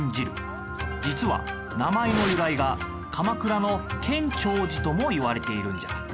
実は名前の由来が鎌倉の建長寺ともいわれているんじゃ。